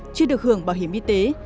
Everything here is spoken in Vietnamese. chưa được hưởng bảo hiểm y tế